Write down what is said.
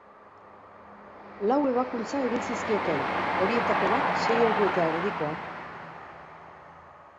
Lau ebakuntza egin zizkioten, horietako bat sei ordu eta erdikoa.